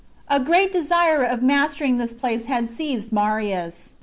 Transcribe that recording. A great desire of mastering this place had seized Marius.